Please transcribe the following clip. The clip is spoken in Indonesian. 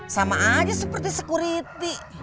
sama aja seperti security